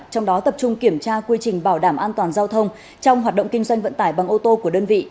trong đó tập trung kiểm tra quy trình bảo đảm an toàn giao thông trong hoạt động kinh doanh vận tải bằng ô tô của đơn vị